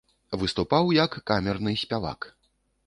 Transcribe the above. Выступаў і як камерны спявак.